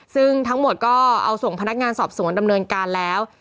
ซึ่งทั้งหมดก็เอาส่งพนักงานสอบสวนดำเนินการแล้ว